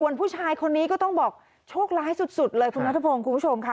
ผู้ชายคนนี้ก็ต้องบอกโชคร้ายสุดเลยคุณนัทพงศ์คุณผู้ชมค่ะ